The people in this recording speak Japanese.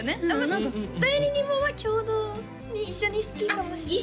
何か代理人もまあ共同に一緒に好きかもしれないあっ